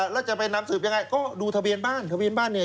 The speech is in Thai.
แล้วจะไปนำสืบยังไงก็ดูทะเบียนบ้านทะเบียนบ้านเนี่ย